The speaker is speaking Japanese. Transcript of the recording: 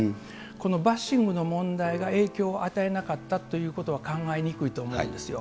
このバッシングの問題が影響を与えなかったということは考えにくいと思うんですよ。